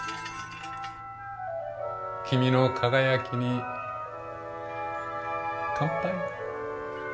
君の輝きに乾杯！